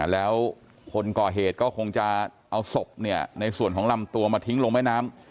แล้วคนก่อเหตุก็คงจะเอาศพในส่วนของลำตัวมาทิ้งลงแม่น้ำ